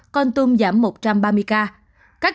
con tương một trăm ba mươi ca